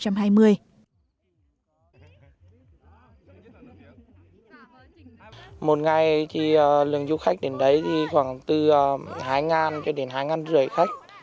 một ngày lượng du khách đến đấy khoảng từ hai đến hai năm trăm linh khách